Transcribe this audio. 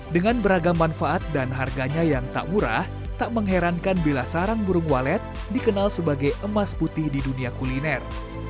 dengan beragam manfaat dan harganya yang tak murah tak mengherankan bila sarang burung walet dikenal sebagai emas putih di dunia kuliner